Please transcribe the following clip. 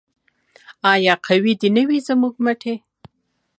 آیا قوي دې نه وي زموږ مټې؟